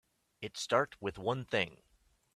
It start with one thing.